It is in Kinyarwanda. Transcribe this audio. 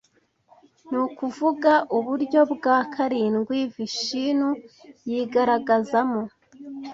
ni ukuvuga uburyo bwa karindwi Vishinu yigaragazamo